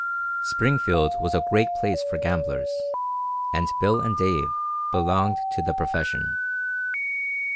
Springfield was a great place for gamblers, and Bill and Dave belonged to the profession.